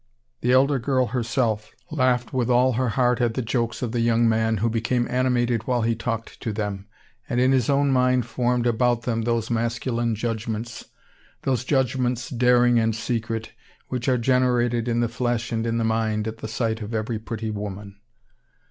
The elder girl herself laughed with all her heart at the jokes of the young man, who became animated, while he talked to them, and in his own mind formed about them those masculine judgments, those judgments daring and secret, which are generated in the flesh and in the mind, at the sight of every pretty woman.